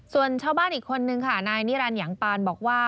ส่วนชาวบ้านอีกคนนึงค่ะนายนิรันดิยังปานบอกว่า